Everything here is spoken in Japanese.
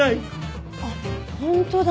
あっ本当だ。